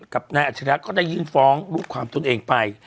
กับนายอัจฉริยะก็ได้ยื่นฟ้องลูกความตนเองไป